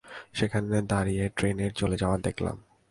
সেখানে দাঁড়িয়ে ট্রেনের চলে যাওয়া দেখলাম।